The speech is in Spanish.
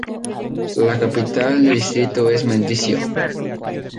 La capital del distrito es Mendrisio.